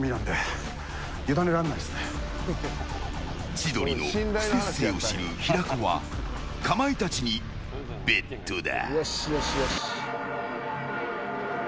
千鳥の不摂生を知る平子はかまいたちにベットだ。